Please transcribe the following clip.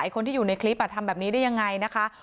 ไอ้คนที่อยู่ในคลิปอ่ะทำแบบนี้ได้ยังไงนะคะครับ